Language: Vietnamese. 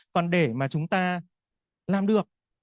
còn để mà chúng ta làm được